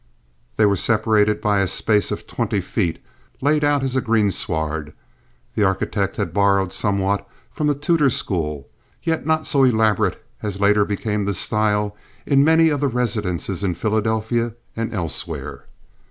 They were separated by a space of twenty feet, laid out as greensward. The architect had borrowed somewhat from the Tudor school, yet not so elaborated as later became the style in many of the residences in Philadelphia and elsewhere.